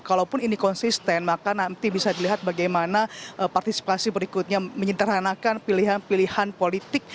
kalaupun ini konsisten maka nanti bisa dilihat bagaimana partisipasi berikutnya menyederhanakan pilihan pilihan politik